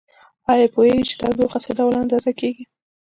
ایا پوهیږئ چې تودوخه څه ډول اندازه کیږي؟